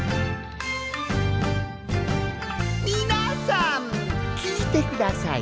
みなさんきいてください。